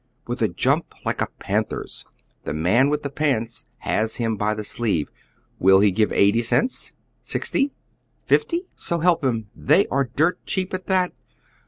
With a jump like a panther's, the man with the pants has him by the sleeve. Will he give eighty cents ? Sixty ? Fifty ? So help him, they are dirt cheap at that.